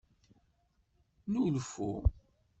Nnulfu.